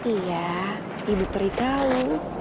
iya ibu peri tahu